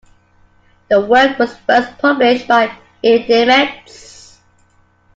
The work was first published by E. Demets.